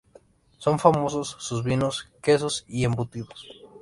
Son famosos sus vinos, quesos y embutidos.